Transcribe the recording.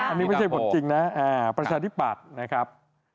อันนี้ไม่ใช่บทจริงนะประชาธิปัตย์นะครับ